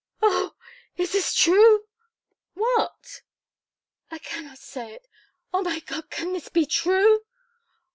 "Oh! Is this true?" "What?" "I cannot say it. Oh, my God! can this be true?"